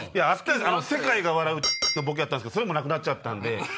世界が笑うのボケあったんですけどそれもなくなっちゃったんで。